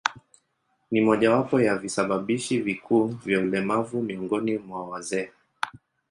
Ni mojawapo ya visababishi vikuu vya ulemavu miongoni mwa wazee.